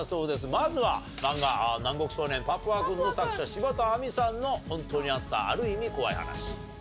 まずは漫画『南国少年パプワくん』の作者柴田亜美さんのホントにあったある意味怖い話。